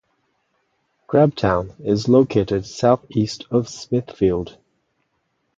Grabtown is located southeast of Smithfield.